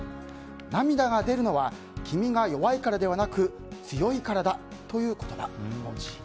涙がでるのはきみが弱いからではなく強いからだという言葉。